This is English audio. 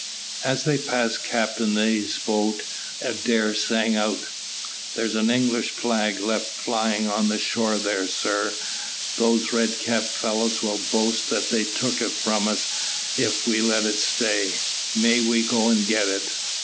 As they passed Captain A 's boat Adair sang out, "There's an English flag left flying on the shore there, sir; those red capped fellows will boast that they took it from us if we let it stay. May we go and get it?"